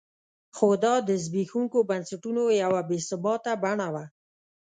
خو دا د زبېښونکو بنسټونو یوه بې ثباته بڼه وه.